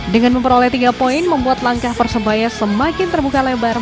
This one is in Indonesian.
dengan memperoleh tiga poin membuat langkah persebaya semakin terbuka lebar